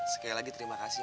sekali lagi terima kasih